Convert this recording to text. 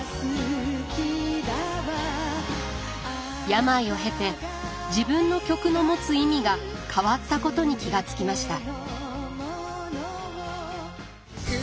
病を経て自分の曲の持つ意味が変わったことに気が付きました。